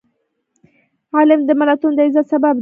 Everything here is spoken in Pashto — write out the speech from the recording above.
علم د ملتونو د عزت سبب دی.